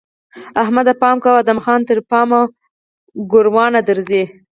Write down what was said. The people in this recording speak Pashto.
احمده! پام کوه؛ ادم خان تر پام ګوروان درځي!